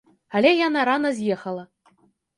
Але яна рана з'ехала.